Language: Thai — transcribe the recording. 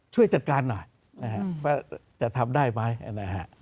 ช่วยจัดการหน่อยว่าจะทำได้ไหมนะครับ